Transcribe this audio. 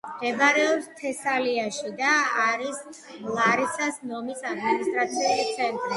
მდებარეობს თესალიაში და არის ლარისას ნომის ადმინისტრაციული ცენტრი.